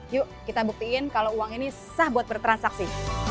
yuk kita buktiin kalau uang ini sah buat bertransaksi